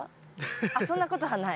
あっそんなことはない？